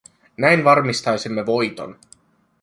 Näin varmistaisimme voiton.